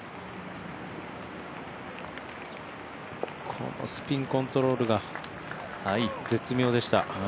このスピンコントロールが絶妙でした。